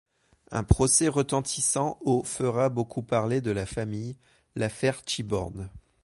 Un procès retentissant au fera beaucoup parler de la famille, l’affaire Tichborne.